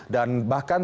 dan bahkan terkadang